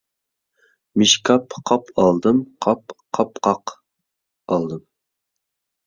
مىشكاپ _ قاپ ئالدىم، قاپ_ قاپقاق ئالدىم.